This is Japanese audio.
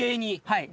はい。